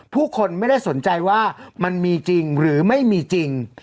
ผู้คนไม่ได้สนใจว่ามันมีจริงหรือไม่มีจริง